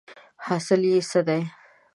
حاصل یې څه دی ؟